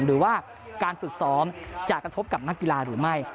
หรือว่าการฝึกซ้อมจะกระทบกับนักกีฬาหรือไม่